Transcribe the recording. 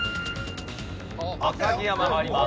赤城山があります。